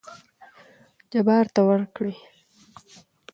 جبار ته ورکړې.